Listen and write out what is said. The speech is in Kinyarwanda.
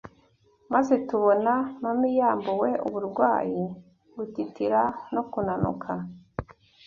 maze tubona Mam yambuwe Uburwayi, gutitira no kunanuka